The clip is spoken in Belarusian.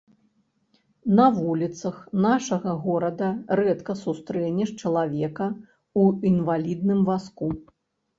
На вуліцах нашага горада рэдка сустрэнеш чалавека ў інвалідным вазку.